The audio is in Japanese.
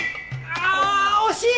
あぁ惜しい！